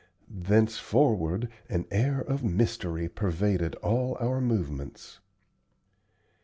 Thenceforward an air of mystery pervaded all our movements.